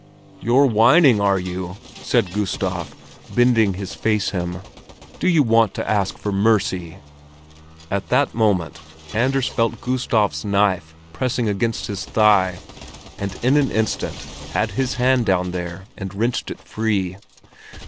"You're whining, are you?" said Gustav, bending his face him. "Do you want to ask for mercy?" At that moment Anders felt Gustav's knife pressing against his thigh, and in an instant had his hand down there and wrenched it free.